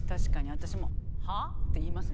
私も「ハァ？」って言いますもんね。